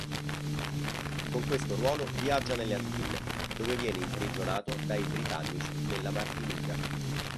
Con questo ruolo viaggia nelle Antille, dove viene imprigionato dai britannici nella Martinica.